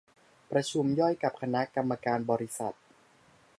ประชุมย่อยกับคณะกรรมการบริษัท